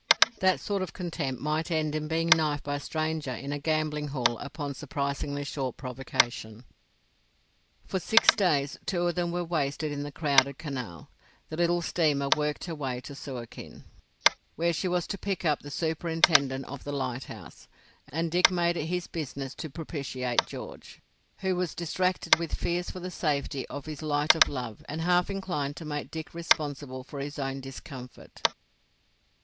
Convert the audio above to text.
That sort of contempt might end in being knifed by a stranger in a gambling hell upon surprisingly short provocation. For six days—two of them were wasted in the crowded Canal—the little steamer worked her way to Suakin, where she was to pick up the superintendent of the lighthouse; and Dick made it his business to propitiate George, who was distracted with fears for the safety of his light of love and half inclined to make Dick responsible for his own discomfort.